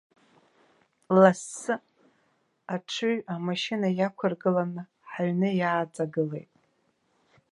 Лассы аҽыҩ амашьына иақәыргыланы ҳаҩны иааҵагылеит.